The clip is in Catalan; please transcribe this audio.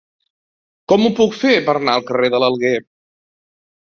Com ho puc fer per anar al carrer de l'Alguer?